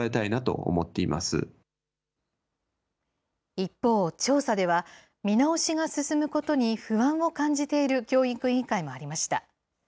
一方、調査では見直しが進むことに不安を感じている教育委員会もありました。